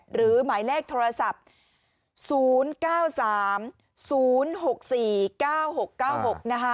หรือหมายเลขโทรศัพท์๐๙๓๐๖๔๙๖๙๖นะคะ